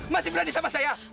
masih berani sama saya